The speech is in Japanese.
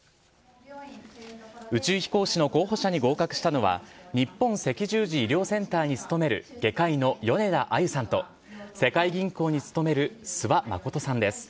宇宙飛行士の候補者に合格したのは日本赤十字医療センターに勤める外科医の米田あゆさんと、世界銀行に勤める諏訪理さんです。